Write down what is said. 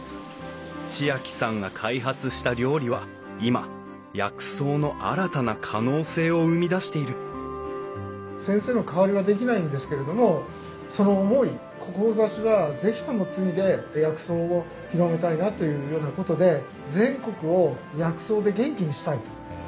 知亜季さんが開発した料理は今薬草の新たな可能性を生み出している先生の代わりはできないんですけれどもその思い志は是非とも継いで薬草を広めたいなというようなことで全国を薬草で元気にしたいと。